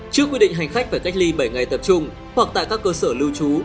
trước quy định hành khách phải cách ly bảy ngày tập trung hoặc tại các cơ sở lưu trú